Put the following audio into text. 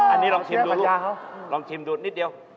อันนี้ลองชิมดูลองชิมดูนิดเดียว